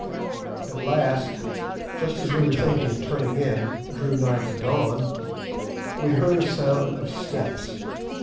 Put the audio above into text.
At last, just as we were thinking of turning in—for the night drew nigh to dawn—we heard a sound of steps.